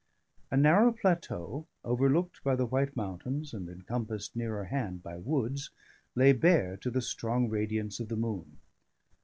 A narrow plateau, overlooked by the white mountains, and encompassed nearer hand by woods, lay bare to the strong radiance of the moon.